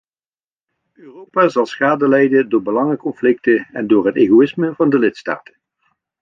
Europa zal schade lijden door belangenconflicten en door het egoïsme van de lidstaten.